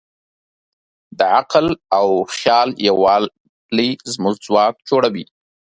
د عقل او خیال یووالی زموږ ځواک جوړوي.